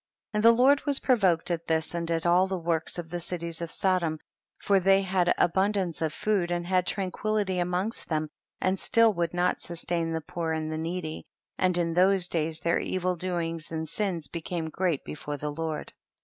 44. And the Lord was provoked at this and at all the works of the cities of Sodom, for they had abun dance of food and had tranquility amongst them, and still would not sustain the poor and the needy, and in those days their evil doings and sins became great before the Lord.